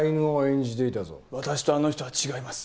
私とあの人は違います。